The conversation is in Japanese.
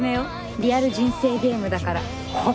リアル人生ゲームだからはっ？